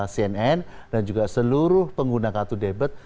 cnn dan juga seluruh pengguna kartu debit